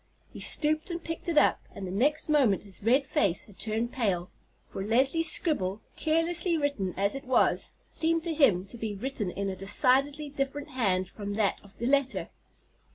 He stooped and picked it up, and the next moment his red face had turned pale, for Leslie's scribble, carelessly written as it was, seemed to him to be written in a decidedly different hand from that of the letter.